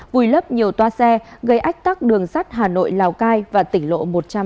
vùi lấp nhiều toa xe gây ách tắc đường sắt hà nội lào cai và tỉnh lộ một trăm năm mươi